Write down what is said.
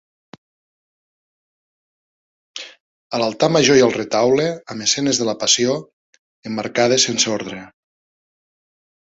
A l'altar major hi ha el Retaule amb escenes de la Passió, emmarcades sense ordre.